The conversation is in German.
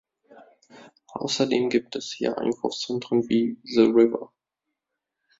Außerdem gibt es hier Einkaufszentren wie "The River".